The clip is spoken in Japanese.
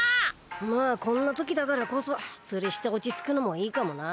まあこんなときだからこそ釣りして落ち着くのもいいかもな。